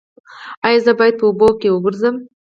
ایا زه باید په اوبو وګرځم؟